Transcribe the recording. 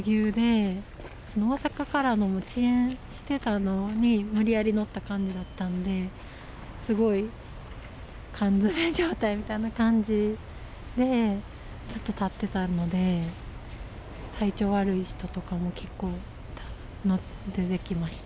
もうすごいぎゅうぎゅうで、大阪からも遅延してたのに無理やり乗った感じだったんで、すごい缶詰状態みたいな感じで、ずっと立ってたので、体調悪い人とかも結構出てきました。